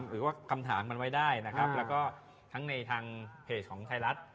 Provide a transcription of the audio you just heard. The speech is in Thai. หรือว่าคำถามมันไว้ได้นะครับแล้วก็ทั้งในทางเพจของไทยรัฐ